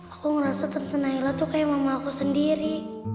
aku ngerasa tante naila tuh kayak mama aku sendiri